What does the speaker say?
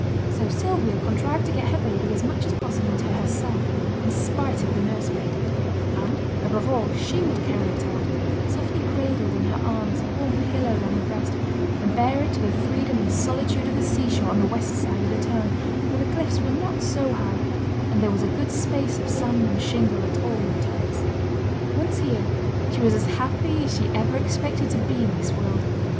So Sylvia contrived to get her baby as much as possible to herself, in spite of the nursemaid; and, above all, she would carry it out, softly cradled in her arms, warm pillowed on her breast, and bear it to the freedom and solitude of the sea shore on the west side of the town where the cliffs were not so high, and there was a good space of sand and shingle at all low tides. Once here, she was as happy as she ever expected to be in this world.